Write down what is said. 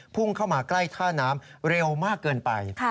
พุ่งเข้ามาใกล้ท่าน้ำเร็วมากเกินไป